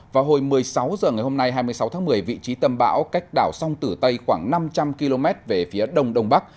vào hồi một mươi sáu h ngày hôm nay hai mươi sáu tháng một mươi vị trí tâm bão cách đảo sông tử tây khoảng năm trăm linh km về phía đông đông bắc